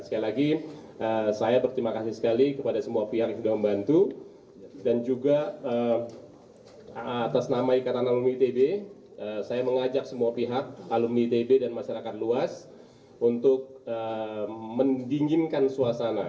sekali lagi saya berterima kasih sekali kepada semua pihak juga membantu dan juga atas nama ikatan alumni itb saya mengajak semua pihak alumni itb dan masyarakat luas untuk mendinginkan suasana